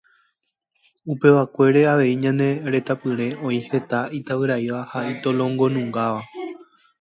Upevakuére avei ñane retãpýre oĩ heta itavyraíva ha itolongonungáva.